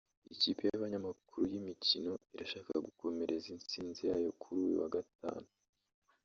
Ikipe y’abanyamakuru y’imikino irashaka gukomereza intsinzi yayo kuri uyu wa gatanu